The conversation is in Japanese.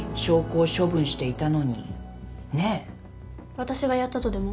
わたしがやったとでも？